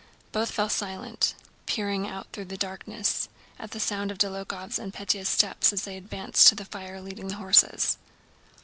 Both fell silent, peering out through the darkness at the sound of Dólokhov's and Pétya's steps as they advanced to the fire leading their horses.